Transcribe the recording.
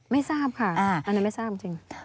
ไม่ทราบค่ะอันนั้นไม่ทราบจริง